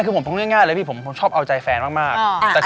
คือผมบบง่ายแล้วพี่ผมชอบอ่อยใจแฟนมาก